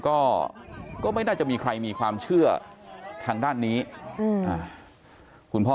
ก็ก็ไม่น่าจะมีใครมีความเชื่อทางด้านนี้คุณพ่อ